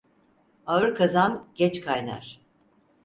Ağır kazan geç kaynar.